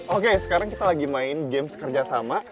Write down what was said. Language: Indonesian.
oke sekarang kita lagi main games kerjasama